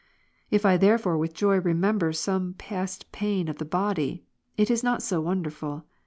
If I therefore with joy remember some past pain of body, it is not so wonderful.